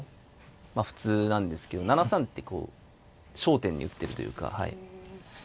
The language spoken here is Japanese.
普通なんですけど７三って焦点に打ってるというかはい。